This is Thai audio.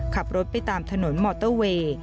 ขับรถไปตามถนนมอเตอร์เวย์